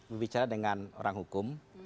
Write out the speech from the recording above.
membicara dengan orang hukum